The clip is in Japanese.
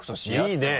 いいね！